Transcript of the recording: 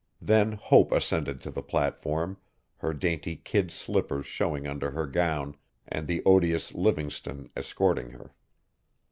Then Hope ascended to the platform, her dainty kid slippers showing under her gown, and the odious Livingstone escorting her.